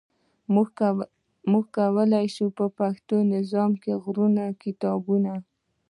موږ کولای شو چې په پښتو نظم کې غرونه او کتابونه.